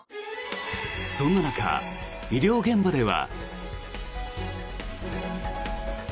そんな中、医療現場では。